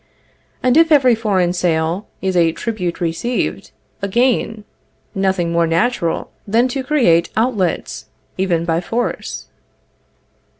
And if every foreign sale is a tribute received, a gain, nothing more natural than to create outlets, even by force.